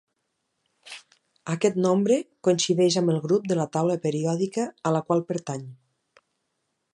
Aquest nombre coincideix amb el grup de la Taula Periòdica a la qual pertany.